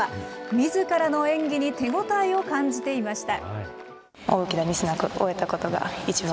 みずからの演技に手応えを感じていました。